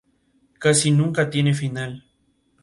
Kerstin es una compañera brillante e independiente.